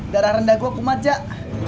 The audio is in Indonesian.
darah rendah gua kumat jack